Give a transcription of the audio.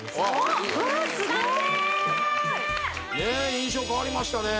印象変わりましたね